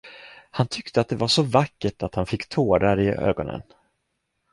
Han tyckte det var så vackert att han fick tårar i ögonen.